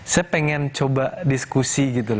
saya pengen coba diskusi gitu